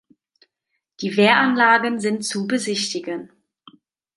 Die Wehranlagen sind zu besichtigen.